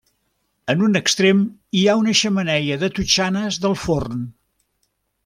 En un extrem hi ha una xemeneia de totxanes del forn.